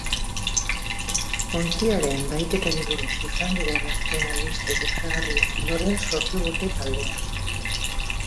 Ontziaren bahiketari buruz izan diren azken albiste kezkagarrien ondoren sortu dute taldea.